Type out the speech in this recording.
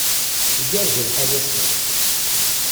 Igerrez lḥal ass-a.